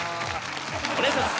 お願いします。